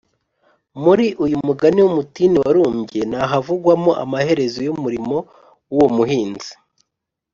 muri uyu mugani w’umutini warumbye, ntahavu-gwamo amaherezo y’umurimo w’uwo muhinzi